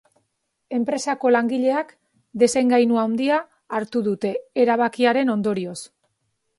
Enpresako langileak desengainu handia hartu dute erabakiaren ondorioz.